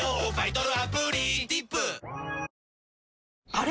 あれ？